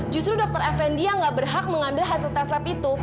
justru dr effendi yang gak berhak mengambil hasil tes swab itu